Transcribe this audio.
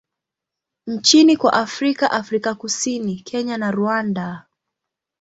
nchini kwa Afrika Afrika Kusini, Kenya na Rwanda.